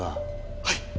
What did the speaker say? はい。